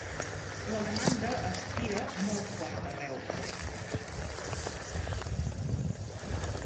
La demanda estira molt fort arreu i l’obstacle és poder servir les comandes.